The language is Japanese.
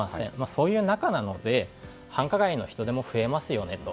そういう中なので繁華街の人出も増えますよねと。